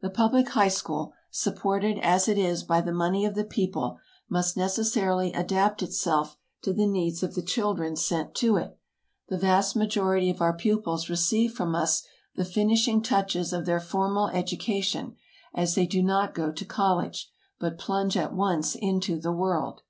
The public high school, supported as it is by the money of the people, must necessarily adapt itself to the needs of the children sent to it; the vast majority of our pupils receive from us the "finishing touches" of their formal education, as they do not go to college, but plunge at once into "the world."